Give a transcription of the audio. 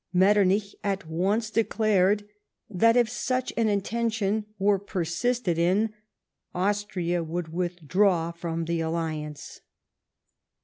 Metternich at once declared that if such an intention were persisted in, Austria would withdraw from the alliance.